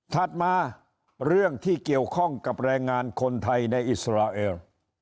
ถัดมาเรื่องที่เกี่ยวข้องกับแรงงานคนไทยในอิสราเอล